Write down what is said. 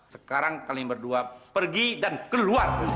sekarang kalian berdua pergi dan keluar